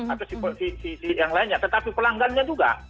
atau si yang lainnya tetapi pelanggannya juga